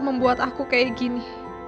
membuat aku kayak gini